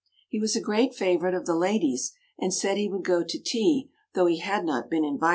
He was a great favourite of the ladies, and said he would go to tea though he had not been invited.